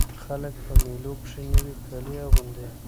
خلک په مېلو کښي نوي کالي اغوندي.